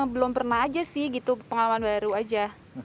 belum pernah aja sih gitu pengalaman baru aja